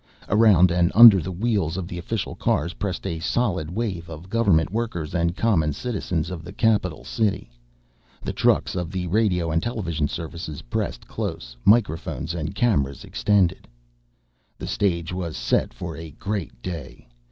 Around and under the wheels of the official cars pressed a solid wave of government workers and common citizens of the capital city. The trucks of the radio and television services pressed close, microphones and cameras extended. The stage was set for a great day.